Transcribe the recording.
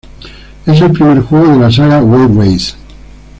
Es el primer juego de la saga "Wave Race".